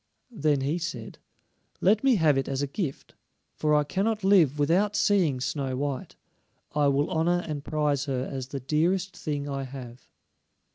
Then he said: "Let me have it as a gift, for I cannot live without seeing Snow white. I will honor and prize her as the dearest thing I have."